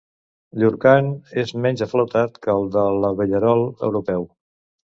Llur cant és menys aflautat que el de l'abellerol europeu.